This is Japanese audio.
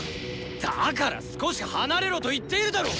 だから少し離れろと言っているだろう！